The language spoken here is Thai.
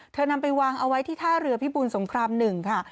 นำไปวางเอาไว้ที่ท่าเรือพิบูรสงคราม๑ค่ะ